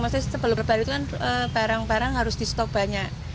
maksudnya sebelum lebaran itu kan barang barang harus di stop banyak